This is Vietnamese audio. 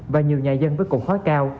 và nhiều nhà dân với cục khói cao